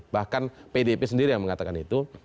bahkan pdip sendiri yang mengatakan itu